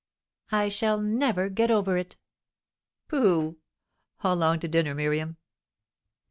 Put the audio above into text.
"I shall never get over it." "Pooh! How long to dinner, Miriam?"